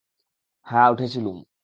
হাঁ, উঠেছিলুম।